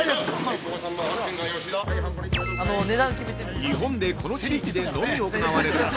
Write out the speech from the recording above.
◆日本でこの地域でのみ行われる袋